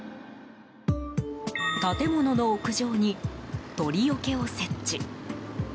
建物の屋上に鳥よけを設置。